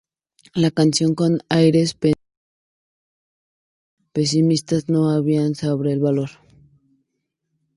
La canción con aires pesimistas nos habla sobre el valor.